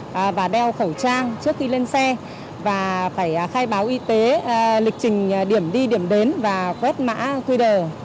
các khách có thể đeo khẩu trang trước khi lên xe và phải khai báo y tế lịch trình điểm đi điểm đến và quét mã qr